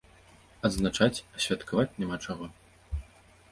Адзначаць, а святкаваць няма чаго.